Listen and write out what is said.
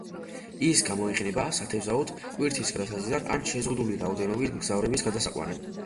ის გამოიყენება სათევზაოდ, ტვირთის გადასაზიდად ან შეზღუდული რაოდენობით მგზავრების გადასაყვანად.